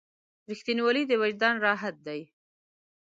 • رښتینولی د وجدان راحت دی.